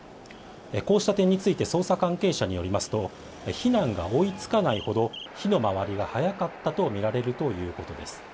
こうした点について、捜査関係者によりますと、避難が追いつかないほど、火の回りが早かったと見られるということです。